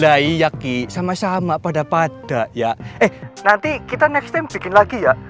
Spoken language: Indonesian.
lah iya ki sama sama pada pada ya eh nanti kita next time bikin lagi ya